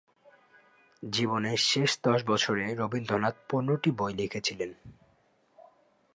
জীবনের শেষ দশ বছরে রবীন্দ্রনাথ পনেরোটি বই লিখেছিলেন।